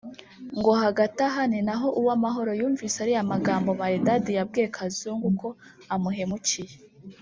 ngo hagati aha ni naho Uwamahoro yumvise ariya magambo Maridadi yabwiye Kazungu ko amuhemukiye